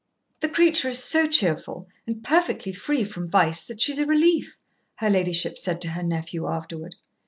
"The creature is so cheerful and perfectly free from vice that she's a relief," her ladyship said to her nephew afterward.